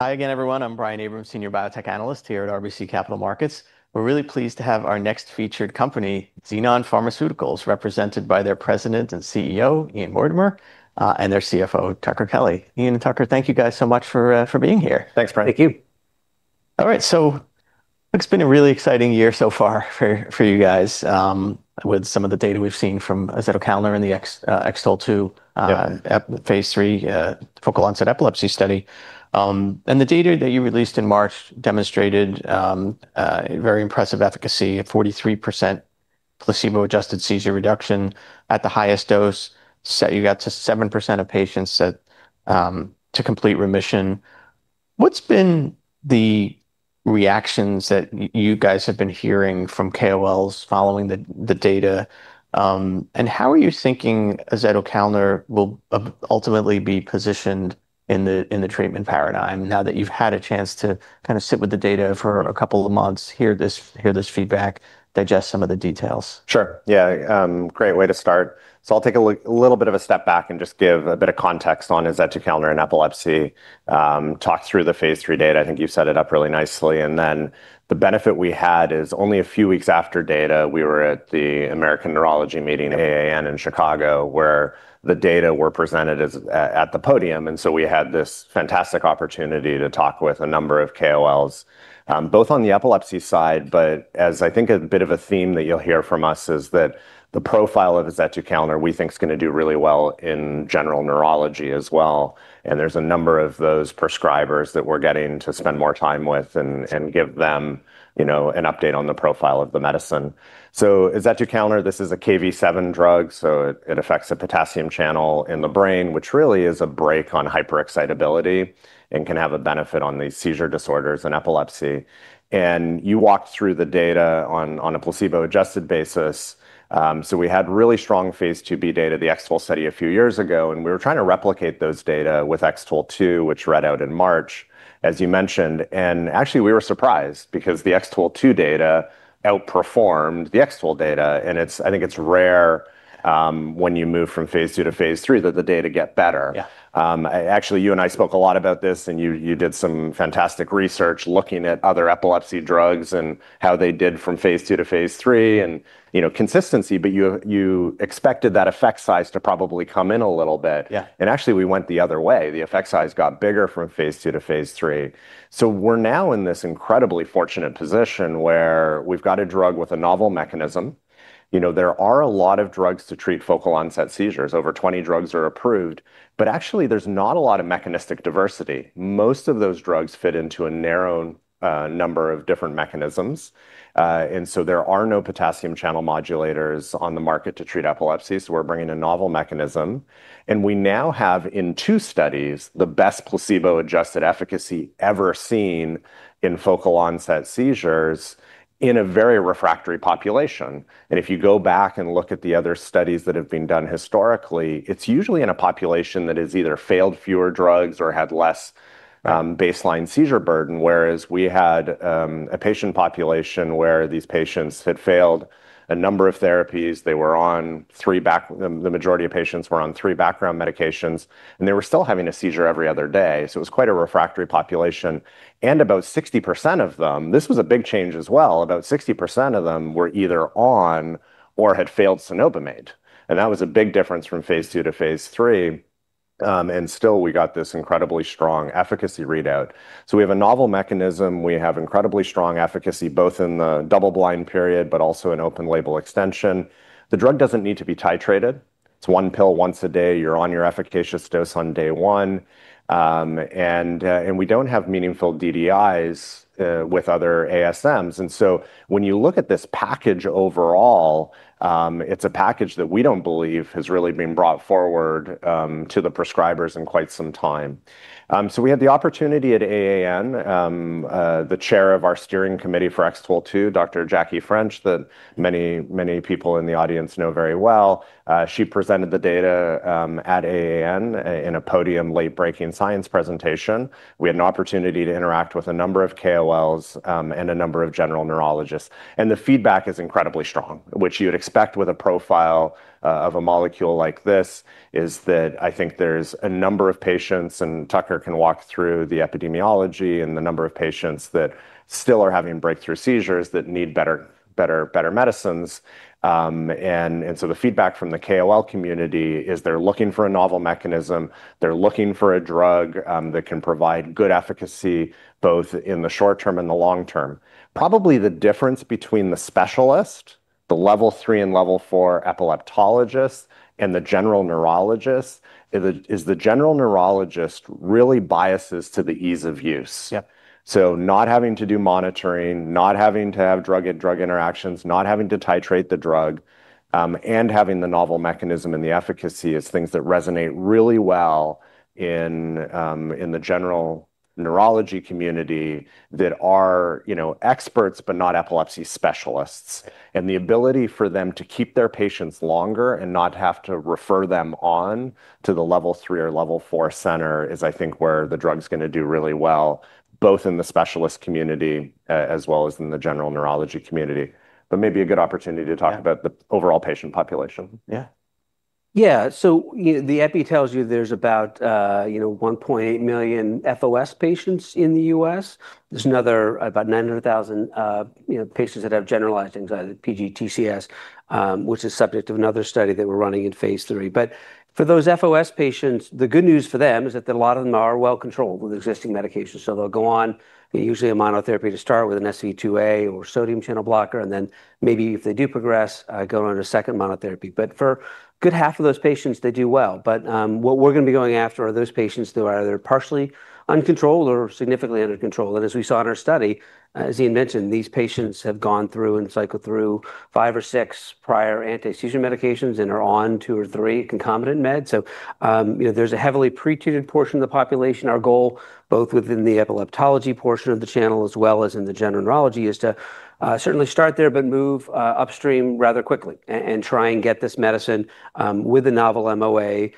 Hi again, everyone. I'm Brian Abrahams, senior biotech analyst here at RBC Capital Markets. We're really pleased to have our next featured company, Xenon Pharmaceuticals, represented by their President and Chief Executive Officer, Ian Mortimer, and their Chief Financial Officer, Tucker Kelly. Ian and Tucker, thank you guys so much for being here. Thanks, Brian. Thank you. All right, it's been a really exciting year so far for you guys, with some of the data we've seen from azetukalner in the X-TOLE2. Yeah phase III, focal onset epilepsy study. The data that you released in March demonstrated very impressive efficacy at 43% placebo-adjusted seizure reduction at the highest dose. You got to 7% of patients that, to complete remission. What's been the reactions that you guys have been hearing from KOLs following the data? How are you thinking azetukalner will ultimately be positioned in the treatment paradigm now that you've had a chance to kind of sit with the data for a couple of months, hear this feedback, digest some of the details? Sure, yeah. Great way to start. I'll take a look, a little bit of a step back and just give a bit of context on azetukalner and epilepsy, talk through the phase III data. I think you've set it up really nicely. The benefit we had is only a few weeks after data, we were at the American Neurology meeting, AAN, in Chicago, where the data were presented at the podium. We had this fantastic opportunity to talk with a number of KOLs, both on the epilepsy side, but as I think a bit of a theme that you'll hear from us is that the profile of azetukalner we think is going to do really well in general neurology as well. There's a number of those prescribers that we're getting to spend more time with and give them, you know, an update on the profile of the medicine. azetukalner, this is a Kv7 drug, it affects a potassium channel in the brain, which really is a brake on hyperexcitability and can have a benefit on these seizure disorders and epilepsy. You walked through the data on a placebo-adjusted basis. We had really strong phase IIb data, the X-TOLE study a few years ago, we were trying to replicate those data with X-TOLE2, which read out in March, as you mentioned. Actually, we were surprised because the X-TOLE2 data outperformed the X-TOLE data, I think it's rare when you move from phase II to phase III that the data get better. Yeah. Actually, you and I spoke a lot about this, and you did some fantastic research looking at other epilepsy drugs and how they did from phase II to phase III and, you know, consistency. You expected that effect size to probably come in a little bit. Yeah. Actually, we went the other way. The effect size got bigger from phase II to phase III. We're now in this incredibly fortunate position where we've got a drug with a novel mechanism. You know, there are a lot of drugs to treat focal onset seizures. Over 20 drugs are approved. Actually, there's not a lot of mechanistic diversity. Most of those drugs fit into a narrow number of different mechanisms. There are no potassium channel modulators on the market to treat epilepsy, so we're bringing a novel mechanism. We now have in 2 studies the best placebo-adjusted efficacy ever seen in focal onset seizures in a very refractory population. If you go back and look at the other studies that have been done historically, it's usually in a population that has either failed fewer drugs or had less baseline seizure burden, whereas we had a patient population where these patients had failed a number of therapies. The majority of patients were on 3 background medications, and they were still having a seizure every other day, so it was quite a refractory population. About 60% of them, this was a big change as well, about 60% of them were either on or had failed cenobamate, and that was a big difference from phase II to phase III. Still, we got this incredibly strong efficacy readout. We have a novel mechanism. We have incredibly strong efficacy, both in the double-blind period, but also in open label extension. The drug doesn't need to be titrated. It's 1 pill once a day. You're on your efficacious dose on day 1. We don't have meaningful DDIs with other ASMs. When you look at this package overall, it's a package that we don't believe has really been brought forward to the prescribers in quite some time. We had the opportunity at AAN, the chair of our steering committee for X-TOLE2, Dr. Jacqueline French, that many, many people in the audience know very well, she presented the data at AAN in a podium late-breaking science presentation. We had an opportunity to interact with a number of KOLs and a number of general neurologists. The feedback is incredibly strong, which you would expect with a profile of a molecule like this, is that I think there's a number of patients, and Tucker can walk through the epidemiology and the number of patients that still are having breakthrough seizures that need better, better medicines. So the feedback from the KOL community is they're looking for a novel mechanism. They're looking for a drug that can provide good efficacy both in the short term and the long term. Probably the difference between the specialist, the level 3 and level 4 epileptologists, and the general neurologist is the general neurologist really biases to the ease of use. Yep. Not having to do monitoring, not having to have drug interactions, not having to titrate the drug, and having the novel mechanism and the efficacy is things that resonate really well in the general neurology community that are, you know, experts, but not epilepsy specialists. The ability for them to keep their patients longer and not have to refer them on to the level 3 or level 4 center is, I think, where the drug's gonna do really well, both in the specialist community as well as in the general neurology community. Yeah the overall patient population. Yeah. Yeah. The epi tells you there's about, you know, 1.8 million FOS patients in the U.S. There's another about 900,000, you know, patients that have generalized epilepsy, PGTCS, which is subject to another study that we're running in phase III. For those FOS patients, the good news for them is that a lot of them are well controlled with existing medications. They'll go on usually a monotherapy to start with an SV2A or sodium channel blocker, and then maybe if they do progress, go under a second monotherapy. For good half of those patients, they do well. What we're gonna be going after are those patients who are either partially uncontrolled or significantly under control. As we saw in our study, as Ian mentioned, these patients have gone through and cycled through 5 or 6 prior anti-seizure medications and are on 2 or 3 concomitant meds. You know, there's a heavily pretreated portion of the population. Our goal, both within the epileptology portion of the channel as well as in the general neurology, is to certainly start there but move upstream rather quickly and try and get this medicine with the novel MOA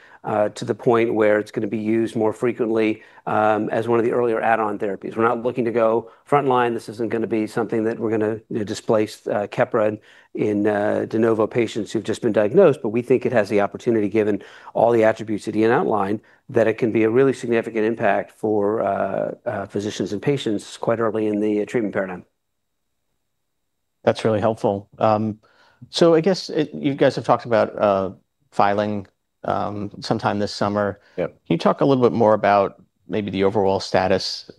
to the point where it's gonna be used more frequently as one of the earlier add-on therapies. We're not looking to go frontline. This isn't gonna be something that we're gonna, you know, displace Keppra in de novo patients who've just been diagnosed. We think it has the opportunity, given all the attributes that Ian outlined, that it can be a really significant impact for physicians and patients quite early in the treatment paradigm. That's really helpful. I guess, You guys have talked about filing sometime this summer. Yep. Can you talk a little bit more about maybe the overall status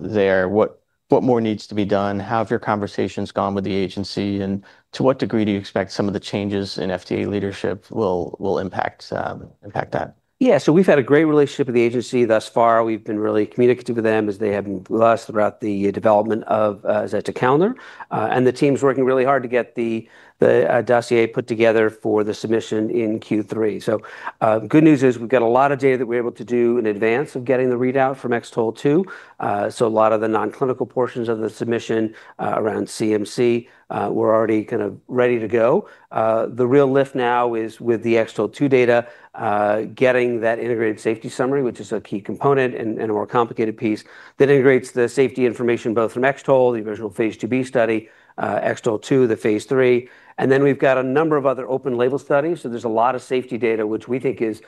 there? What more needs to be done? How have your conversations gone with the agency, and to what degree do you expect some of the changes in FDA leadership will impact that? Yeah. We've had a great relationship with the agency thus far. We've been really communicative with them as they have with us throughout the development of azetukalner. And the team's working really hard to get the dossier put together for the submission in Q3. Good news is we've got a lot of data that we're able to do in advance of getting the readout from X-TOLE2. A lot of the nonclinical portions of the submission, around CMC, were already kind of ready to go. The real lift now is with the X-TOLE2 data, getting that integrated safety summary, which is a key component and a more complicated piece that integrates the safety information both from X-TOLE, the original phase IIb study, X-TOLE2, the phase III, and then we've got a number of other open label studies. There's a lot of safety data, which we think is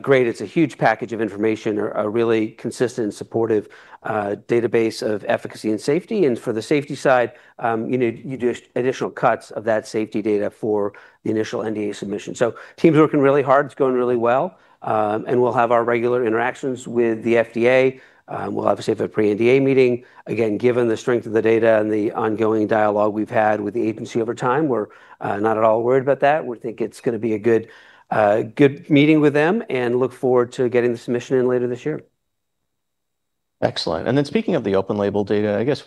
great. It's a huge package of information, a really consistent and supportive database of efficacy and safety. For the safety side, you know, you do additional cuts of that safety data for the initial NDA submission. Team's working really hard. It's going really well. We'll have our regular interactions with the FDA. We'll obviously have a pre-NDA meeting. Again, given the strength of the data and the ongoing dialogue we've had with the agency over time, we're not at all worried about that. We think it's gonna be a good meeting with them, and look forward to getting the submission in later this year. Excellent. Speaking of the open label data, I guess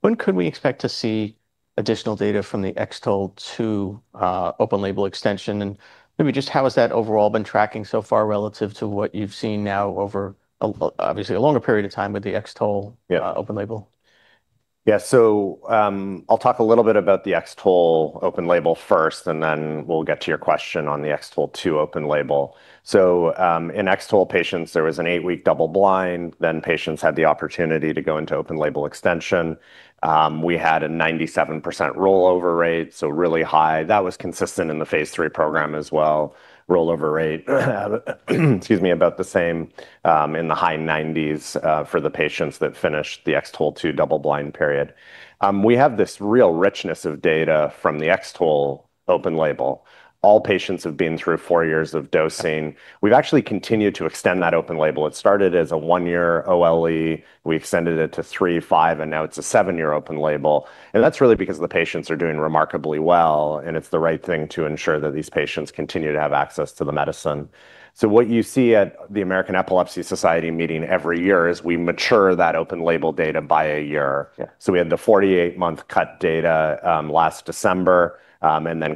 When could we expect to see additional data from the X-TOLE2 open label extension? Maybe just how has that overall been tracking so far relative to what you've seen now over obviously a longer period of time with the X-TOLE. Yeah open label? Yeah. I'll talk a little bit about the X-TOLE open label first, and then we'll get to your question on the X-TOLE2 open label. In X-TOLE patients, there was an 8-week double blind, then patients had the opportunity to go into open label extension. We had a 97% rollover rate, really high. That was consistent in the phase III program as well. Rollover rate, excuse me, about the same, in the high 90s, for the patients that finished the X-TOLE2 double blind period. We have this real richness of data from the X-TOLE open label. All patients have been through 4 years of dosing. We've actually continued to extend that open label. It started as a one year OLE. We extended it to 3, 5, and now it's a seven year open label. That's really because the patients are doing remarkably well, and it's the right thing to ensure that these patients continue to have access to the medicine. What you see at the American Epilepsy Society meeting every year is we mature that open label data by a year. Yeah. We had the 48-month cut data last December.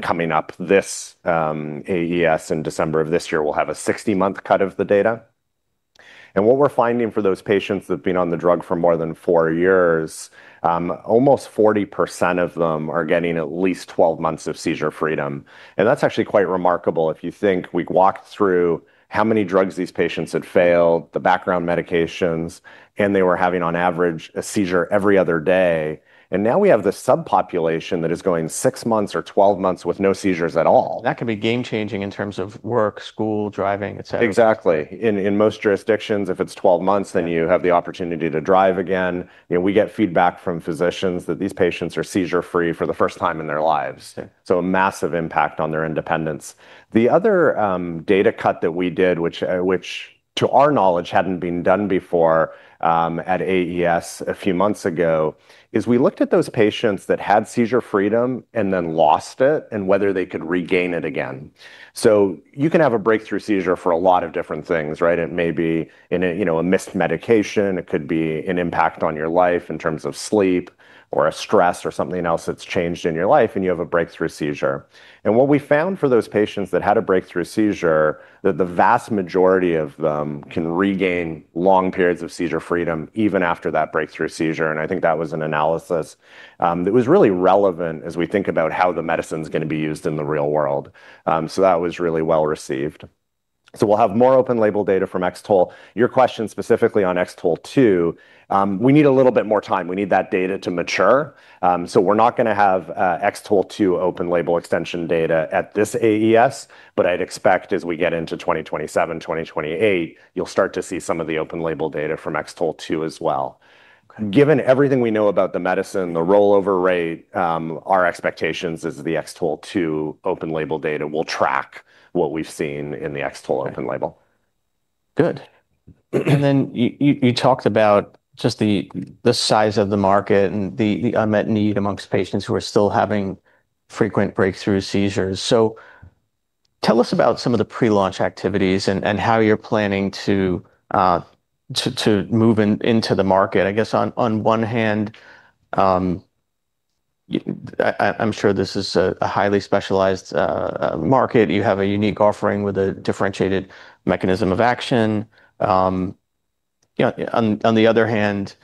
Coming up this AES in December of this year, we'll have a 60-month cut of the data. What we're finding for those patients that have been on the drug for more than four years, almost 40% of them are getting at least 12 months of seizure freedom, and that's actually quite remarkable if you think we've walked through how many drugs these patients had failed, the background medications, and they were having on average a seizure every other day. Now we have this subpopulation that is going six months or 12 months with no seizures at all. That can be game changing in terms of work, school, driving, et cetera. Exactly. In most jurisdictions, if it's 12 months, then you have the opportunity to drive again. You know, we get feedback from physicians that these patients are seizure-free for the first time in their lives. Yeah. A massive impact on their independence. The other data cut that we did, which to our knowledge hadn't been done before, at AES a few months ago, is we looked at those patients that had seizure freedom and then lost it and whether they could regain it again. You can have a breakthrough seizure for a lot of different things, right? It may be in a, you know, a missed medication. It could be an impact on your life in terms of sleep or a stress or something else that's changed in your life, and you have a breakthrough seizure. What we found for those patients that had a breakthrough seizure, that the vast majority of them can regain long periods of seizure freedom even after that breakthrough seizure, and I think that was an analysis that was really relevant as we think about how the medicine's gonna be used in the real world. That was really well received. So we'll have more open label data from X-TOLE. Your question specifically on X-TOLE2, we need a little bit more time. We need that data to mature. We're not gonna have X-TOLE2 open label extension data at this AES, but I'd expect as we get into 2027, 2028, you'll start to see some of the open label data from X-TOLE2 as well. Okay. Given everything we know about the medicine, the rollover rate, our expectations is the X-TOLE2 open label data will track what we've seen in the X-TOLE open label. Good. You talked about just the size of the market and the unmet need amongst patients who are still having frequent breakthrough seizures. Tell us about some of the pre-launch activities and how you're planning to move into the market. I guess on one hand, I'm sure this is a highly specialized market. You have a unique offering with a differentiated MOA. You know, on the other hand,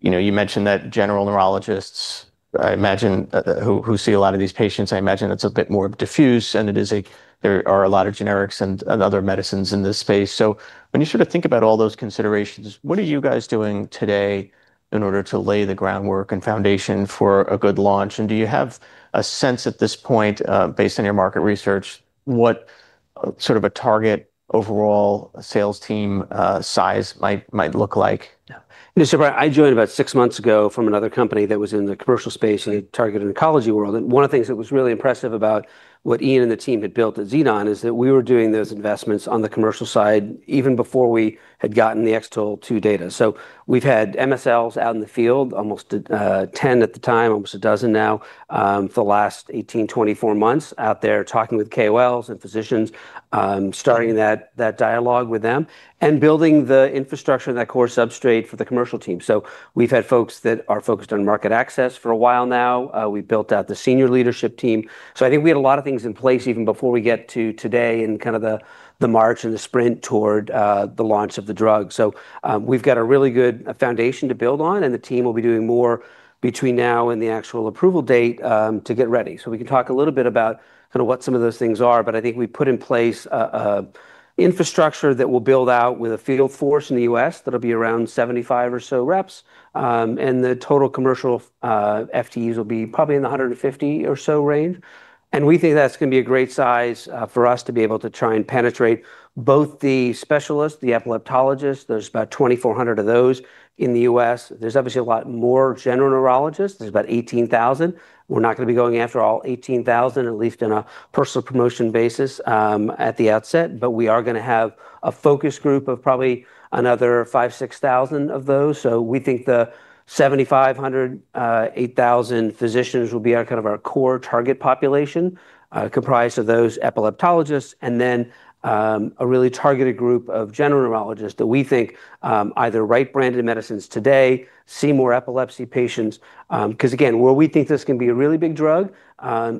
you know, you mentioned that general neurologists, I imagine, who see a lot of these patients, I imagine it's a bit more diffuse, and there are a lot of generics and other medicines in this space. When you sort of think about all those considerations, what are you guys doing today in order to lay the groundwork and foundation for a good launch? Do you have a sense at this point, based on your market research, what sort of a target overall sales team size might look like? Yeah. Brian, I joined about 6 months ago from another company that was in the commercial space and targeted oncology world, and one of the things that was really impressive about what Ian and the team had built at Xenon is that we were doing those investments on the commercial side even before we had gotten the X-TOLE2 data. We've had MSLs out in the field, almost 10 at the time, almost 12 now, for the last 18, 24 months out there talking with KOLs and physicians, starting that dialogue with them, and building the infrastructure and that core substrate for the commercial team. We've had folks that are focused on market access for a while now. We built out the senior leadership team. I think we had a lot of things in place even before we get to today and kind of the march and the sprint toward the launch of the drug. We've got a really good foundation to build on, and the team will be doing more between now and the actual approval date to get ready. We can talk a little bit about kinda what some of those things are, but I think we put in place a infrastructure that will build out with a field force in the U.S. that'll be around 75 or so reps. The total commercial FTEs will be probably in the 150 or so range. We think that's gonna be a great size for us to be able to try and penetrate both the specialists, the epileptologists, there's about 2,400 of those in the U.S. There's obviously a lot more general neurologists. There's about 18,000. We're not gonna be going after all 18,000, at least on a personal promotion basis, at the outset, but we are gonna have a focus group of probably another 5,000-6,000 of those. We think the 7,500-8,000 physicians will be our kind of our core target population, comprised of those epileptologists and then a really targeted group of general neurologists that we think either write branded medicines today, see more epilepsy patients. 'Cause again, where we think this can be a really big drug,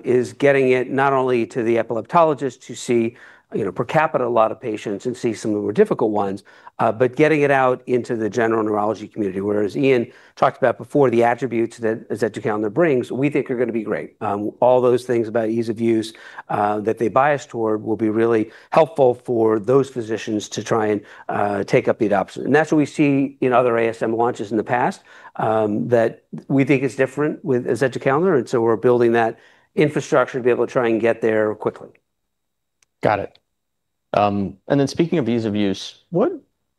is getting it not only to the epileptologists who see, you know, per capita a lot of patients and see some of the more difficult ones, but getting it out into the general neurology community. Ian talked about before the attributes that azetukalner brings, we think are gonna be great. All those things about ease of use, that they bias toward will be really helpful for those physicians to try and take up the adoption. That's what we see in other ASM launches in the past, that we think is different with azetukalner, and so we're building that infrastructure to be able to try and get there quickly. Got it. Speaking of ease of use, what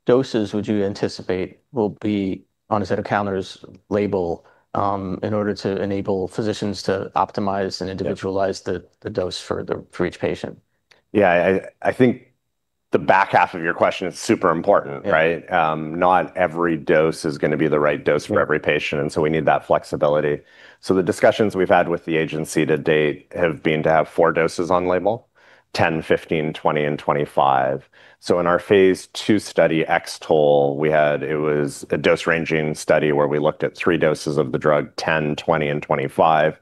doses would you anticipate will be on azetukalner's label, in order to enable physicians to optimize and individualize- Yeah the dose for each patient? Yeah. I think the back half of your question is super important, right? Yeah. Not every dose is going to be the right dose for every patient, and we need that flexibility. The discussions we've had with the agency to date have been to have 4 doses on label, 10, 15, 20, and 25. In our phase II study, X-TOLE, we had it was a dose-ranging study where we looked at 3 doses of the drug, 10, 20, and 25.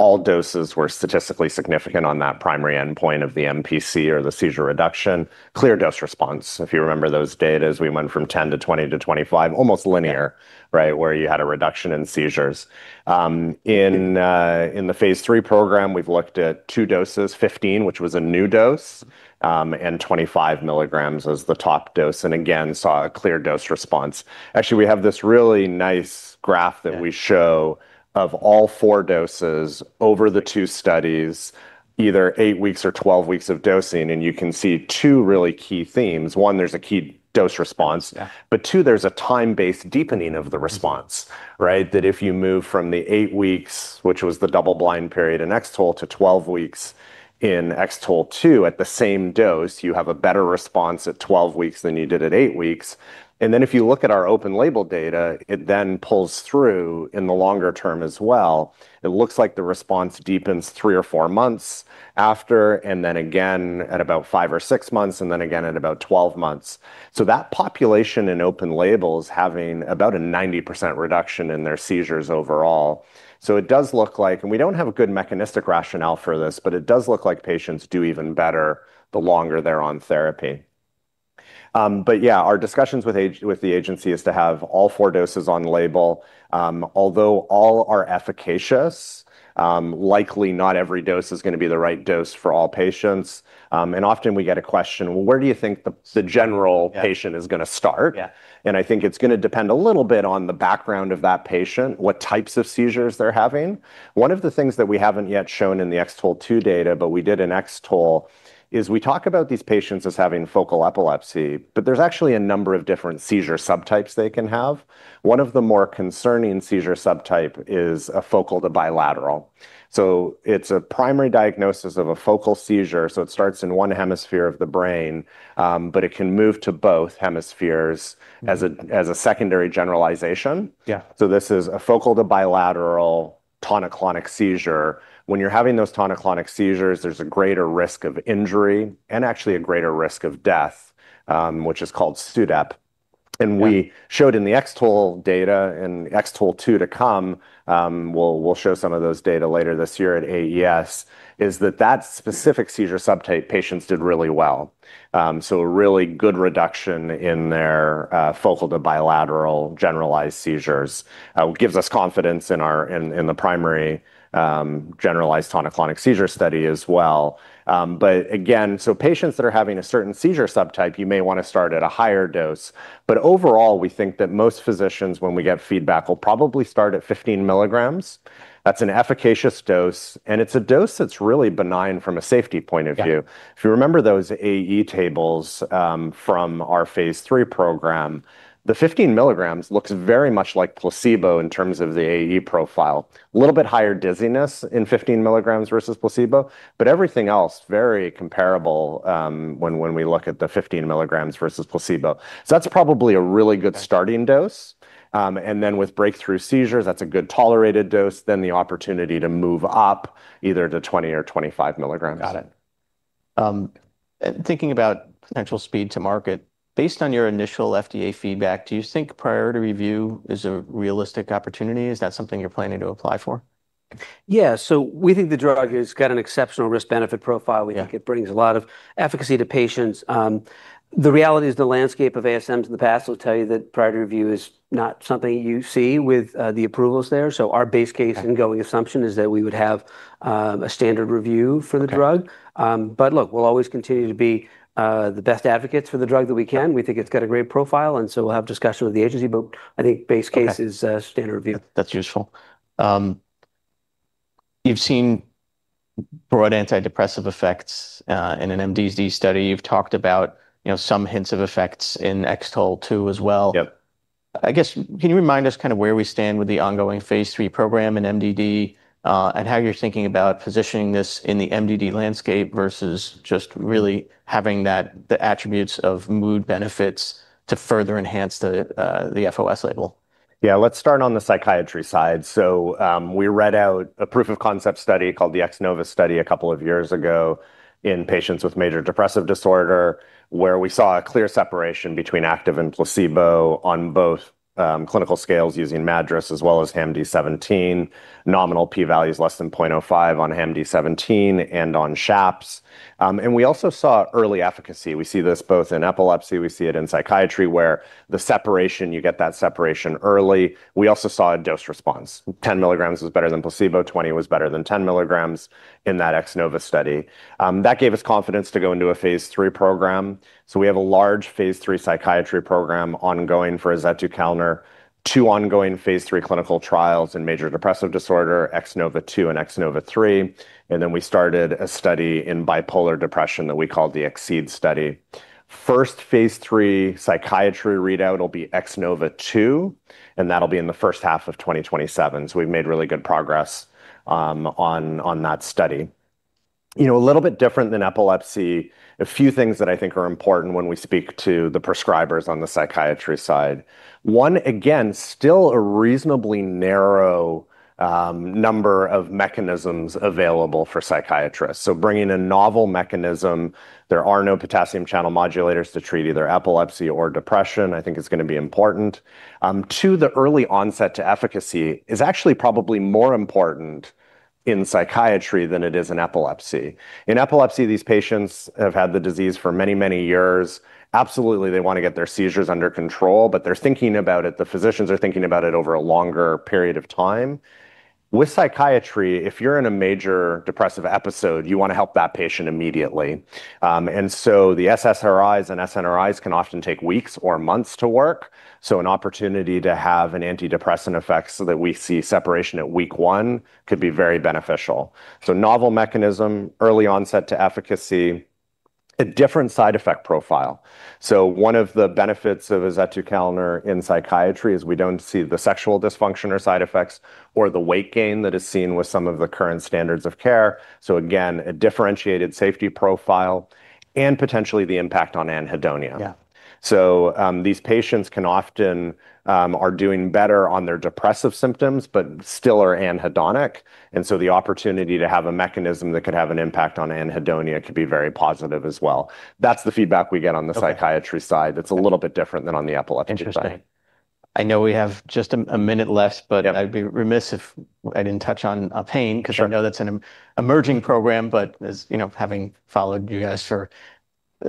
All doses were statistically significant on that primary endpoint of the MPC or the seizure reduction. Clear dose response. If you remember those data, we went from 10 to 20 to 25, almost linear. Yeah right, where you had a reduction in seizures. In the phase III program, we've looked at two doses, 15, which was a new dose, and 25 mg as the top dose. Again, saw a clear dose response. Actually, we have this really nice graph that we show of all four doses over the two studies, either eight weeks or 12 weeks of dosing. You can see two really key themes. One, there's a key dose response. Yeah. 2, there's a time-based deepening of the response, right? That if you move from the 8 weeks, which was the double blind period in X-TOLE, to 12 weeks in X-TOLE2 at the same dose, you have a better response at 12 weeks than you did at 8 weeks. If you look at our open label data, it then pulls through in the longer term as well. It looks like the response deepens 3 or 4 months after, and then again at about 5 or 6 months, and then again at about 12 months. That population in open label is having about a 90% reduction in their seizures overall. It does look like, and we don't have a good mechanistic rationale for this, but it does look like patients do even better the longer they're on therapy. Yeah, our discussions with the agency is to have all 4 doses on label. Although all are efficacious, likely not every dose is gonna be the right dose for all patients. Often we get a question, "Well, where do you think the general- Yeah patient is gonna start? Yeah. I think it's gonna depend a little bit on the background of that patient, what types of seizures they're having. One of the things that we haven't yet shown in the X-TOLE2 data, but we did in X-TOLE, is we talk about these patients as having focal epilepsy, but there's actually a number of different seizure subtypes they can have. One of the more concerning seizure subtype is a focal to bilateral. So it's a primary diagnosis of a focal seizure, so it starts in one hemisphere of the brain, but it can move to both hemispheres as a secondary generalization. Yeah. This is a focal to bilateral tonic-clonic seizure. When you're having those tonic-clonic seizures, there's a greater risk of injury and actually a greater risk of death, which is called SUDEP. Yeah. We showed in the X-TOLE data, in X-TOLE2 to come, we'll show some of those data later this year at AES, is that specific seizure subtype patients did really well. A really good reduction in their focal to bilateral generalized seizures gives us confidence in our primary generalized tonic-clonic seizure study as well. Again, patients that are having a certain seizure subtype, you may want to start at a higher dose. Overall, we think that most physicians, when we get feedback, will probably start at 15 mg. That's an efficacious dose, and it's a dose that's really benign from a safety point of view. Yeah. If you remember those AE tables, from our phase III program, the 15 mg looks very much like placebo in terms of the AE profile. A little bit higher dizziness in 15 mg versus placebo, but everything else very comparable, when we look at the 15 milligrams versus placebo. That's probably a really good starting dose. With breakthrough seizures, that's a good tolerated dose, then the opportunity to move up either to 20 or 25 mg. Got it. Thinking about potential speed to market, based on your initial FDA feedback, do you think priority review is a realistic opportunity? Is that something you're planning to apply for? Yeah. We think the drug has got an exceptional risk-benefit profile. Yeah. We think it brings a lot of efficacy to patients. The reality is the landscape of ASMs in the past will tell you that priority review is not something you see with the approvals there. Our base case- Okay Going assumption is that we would have a standard review for the drug. Okay. Look, we'll always continue to be the best advocates for the drug that we can. We think it's got a great profile, we'll have discussion with the agency. Okay is a standard review. That's useful. You've seen broad antidepressive effects, in an MDD study. You've talked about, you know, some hints of effects in X-TOLE2 as well. Yep. I guess, can you remind us kind of where we stand with the ongoing phase III program in MDD, and how you're thinking about positioning this in the MDD landscape versus just really having that, the attributes of mood benefits to further enhance the FOS label? Yeah. Let's start on the psychiatry side. We read out a POC study called the X-NOVA study 2 years ago in patients with major depressive disorder, where we saw a clear separation between active and placebo on both clinical scales using MADRS as well as HAMD-17. Nominal p-value is less than .05 on HAMD-17 and on SHAPS. We also saw early efficacy. We see this both in epilepsy, we see it in psychiatry, where the separation, you get that separation early. We also saw a dose response. 10 mg was better than placebo, 20 was better than 10 mg in that X-NOVA study. That gave us confidence to go into a phase III program. We have a large phase III psychiatry program ongoing for azetukalner, 2 ongoing phase III clinical trials in major depressive disorder, X-NOVA2 and X-NOVA3, and then we started a study in bipolar depression that we call the XCEDE study. First phase III psychiatry readout will be X-NOVA2, and that'll be in the first half of 2027. We've made really good progress on that study. You know, a little bit different than epilepsy, a few things that I think are important when we speak to the prescribers on the psychiatry side. One, again, still a reasonably narrow number of mechanisms available for psychiatrists. Bringing a novel mechanism, there are no potassium channel modulators to treat either epilepsy or depression, I think is gonna be important. Two, the early onset to efficacy is actually probably more important in psychiatry than it is in epilepsy. In epilepsy, these patients have had the disease for many, many years. Absolutely, they wanna get their seizures under control, but they're thinking about it, the physicians are thinking about it over a longer period of time. With psychiatry, if you're in a major depressive episode, you wanna help that patient immediately. The SSRIs and SNRIs can often take weeks or months to work, an opportunity to have an antidepressant effect so that we see separation at week 1 could be very beneficial. Novel mechanism, early onset to efficacy, a different side effect profile. One of the benefits of azetukalner in psychiatry is we don't see the sexual dysfunction or side effects or the weight gain that is seen with some of the current standards of care. Again, a differentiated safety profile and potentially the impact on anhedonia. Yeah. These patients can often, are doing better on their depressive symptoms but still are anhedonic. The opportunity to have a mechanism that could have an impact on anhedonia could be very positive as well. That's the feedback we get on the psychiatry side. It's a little bit different than on the epilepsy side. I know we have just a minute left. Yeah I'd be remiss if I didn't touch on. Sure 'cause I know that's an emerging program, but as, you know, having followed you guys for. A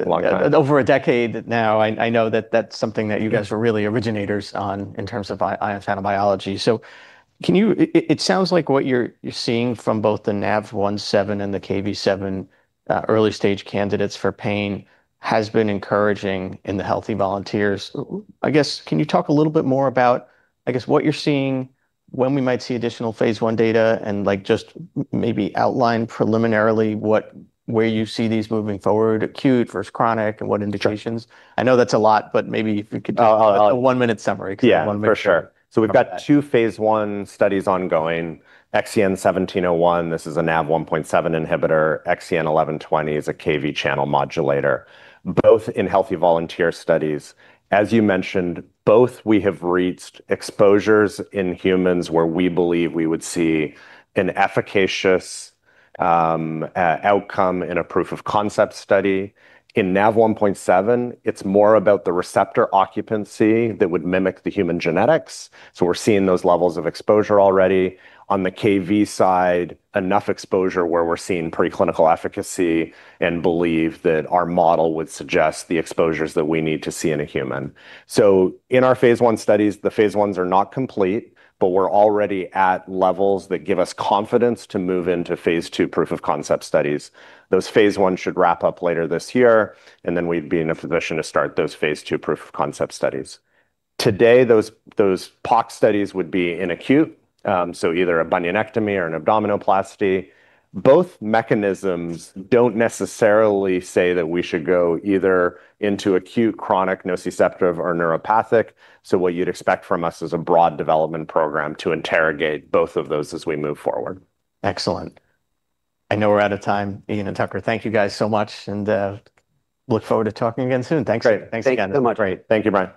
long time. over a decade now, I know that that's something that you guys were really originators on in terms of ion channel biology. Can you it sounds like what you're seeing from both the Nav1.7 and the Kv7 early stage candidates for pain has been encouraging in the healthy volunteers. I guess, can you talk a little bit more about, I guess, what you're seeing, when we might see additional phase I data, and, like, just maybe outline preliminarily what, where you see these moving forward, acute versus chronic, and what indications? Sure. I know that's a lot, but maybe if you could. I'll- a 1-minute summary. Yeah 'cause I want to make sure. For sure. we cover that. We've got 2 phase I studies ongoing, XEN1701, this is a Nav1.7 inhibitor, XEN1120 is a Kv7 channel modulator, both in healthy volunteer studies. As you mentioned, both we have reached exposures in humans where we believe we would see an efficacious outcome in a proof of concept study. In Nav1.7, it's more about the receptor occupancy that would mimic the human genetics, so we're seeing those levels of exposure already. On the Kv7 side, enough exposure where we're seeing preclinical efficacy and believe that our model would suggest the exposures that we need to see in a human. In our phase I studies, the phase Is are not complete, but we're already at levels that give us confidence to move into phase II proof of concept studies. Those phase I should wrap up later this year, and then we'd be in a position to start those phase II proof of concept studies. Today, those POC studies would be in acute, so either a bunionectomy or an abdominoplasty. Both mechanisms don't necessarily say that we should go either into acute, chronic, nociceptive, or neuropathic, so what you'd expect from us is a broad development program to interrogate both of those as we move forward. Excellent. I know we're out of time. Ian and Tucker, thank you guys so much, look forward to talking again soon. Thanks. Great. Thanks again. Thank you so much. Great. Thank you, Brian.